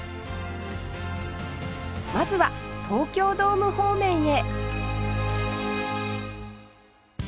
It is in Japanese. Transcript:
まずは東京ドーム方面へ